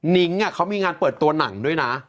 นิ้งเขามีงานเปิดตัวหนังด้วยนะ